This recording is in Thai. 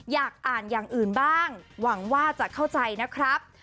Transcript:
อยากอ่านอย่างอื่นบ้างหวังว่าจะเข้าใจนะครับ